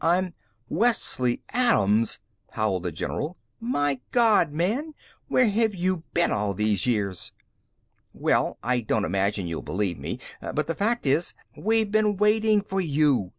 "I'm " "Wesley Adams!" howled the general. "My God, man, where have you been all these years?" "Well, I don't imagine you'll believe me, but the fact is...." "We've been waiting for you.